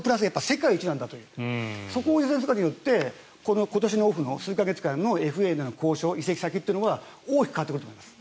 世界一なんだというそこを優先するかによって今年のオフの数か月間のＦＡでの交渉、移籍先が大きく変わってくると思います。